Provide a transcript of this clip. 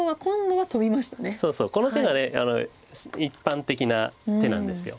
この手が一般的な手なんです。